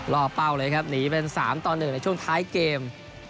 เป้าเลยครับหนีเป็น๓ต่อ๑ในช่วงท้ายเกม